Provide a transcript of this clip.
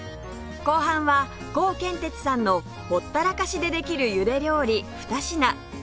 後半はコウケンテツさんのほったらかしでできるゆで料理２品